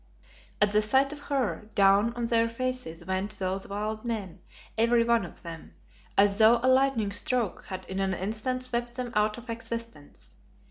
At the sight of her down on to their faces went those wild men, every one of them, as though a lightning stroke had in an instant swept them out of existence.